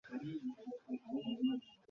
অন্তত এটাকে নিরাপদে রাখতে পেরেছিস।